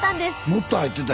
もっと入ってた。